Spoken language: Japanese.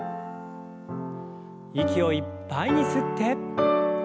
息をいっぱいに吸って。